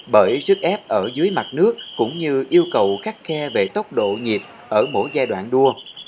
bởi sức ép ở dưới mặt nước cũng như yêu cầu khắt khe về tốc độ nhiệt ở mỗi giai đoạn đua